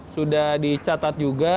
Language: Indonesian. sudah dicatat juga